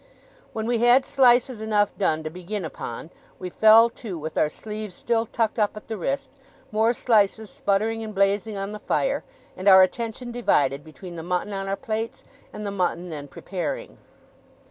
When we had slices enough done to begin upon, we fell to, with our sleeves still tucked up at the wrist, more slices sputtering and blazing on the fire, and our attention divided between the mutton on our plates, and the mutton then preparing.